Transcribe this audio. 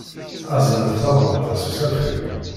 Aznet tabṛat-a s usafag.